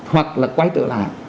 hoặc là quay tựa lại